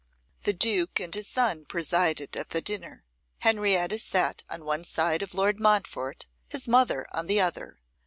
The duke and his son presided at the dinner. Henrietta sat on one side of Lord Montfort, his mother on the other.